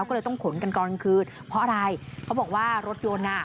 ก็เลยต้องขนกันตอนกลางคืนเพราะอะไรเขาบอกว่ารถยนต์อ่ะ